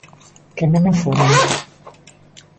Que non o foron.